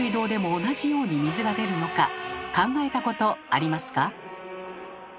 考えたことありますか？